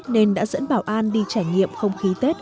nên đã dẫn bảo an đi trải nghiệm không khí tết